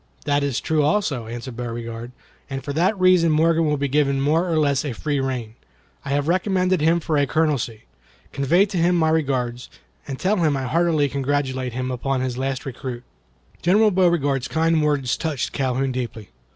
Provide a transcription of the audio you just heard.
"That is true also," answered Beauregard; "and for that reason Morgan will be given more or less of a free rein. I have recommended him for a colonelcy. Convey to him my regards, and tell him I heartily congratulate him upon his last recruit." General Beauregard's kind words touched Calhoun deeply.